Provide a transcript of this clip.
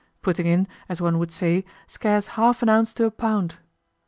putting in, as one would say, "scarce half an ounce to a pound."